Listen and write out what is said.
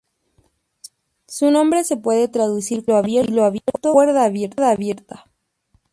Su nombre se puede traducir como 'hilo abierto' o 'cuerda abierta'.